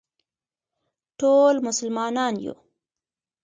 ټول مسلمانان یو